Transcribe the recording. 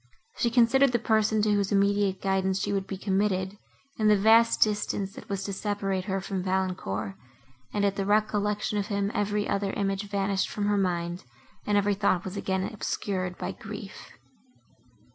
She considered the person, to whose immediate guidance she would be committed, and the vast distance, that was to separate her from Valancourt, and, at the recollection of him, every other image vanished from her mind, and every thought was again obscured by grief.